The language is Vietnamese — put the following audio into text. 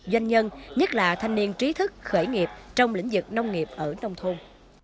doanh nhân nhất là thanh niên trí thức khởi nghiệp trong lĩnh vực nông nghiệp ở nông thôn